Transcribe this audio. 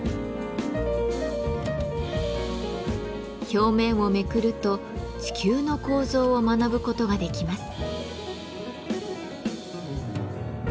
表面をめくると地球の構造を学ぶことができます。